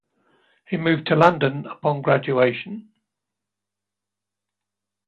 He moved to London upon graduation.